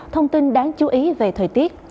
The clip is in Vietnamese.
thông tin đáng chú ý về thời tiết